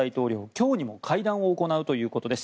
今日にも会談を行うということです。